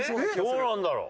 どうなんだろう？